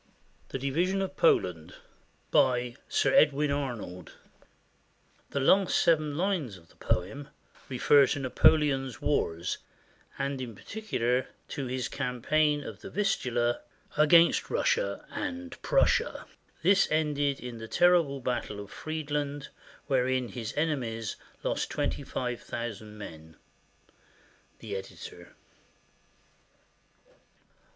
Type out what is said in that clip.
THE DIVISION OF POLAND BY SIR EDWIN ARNOLD [The last seven lines of the poem refer to Napoleon's wars, and in particular to his campaign of the Vistula, against Russia and Prussia. This ended in the terrible battle of Friedland, wherein his enemies lost twenty five thousand men. The Editor.